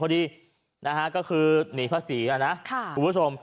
พอดีนะฮะก็คือหนีพระสริอ่ะนะครับคุณผู้ชม